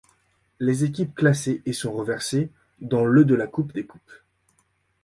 Les équipes classées et sont reversées dans le de la Coupe des coupes.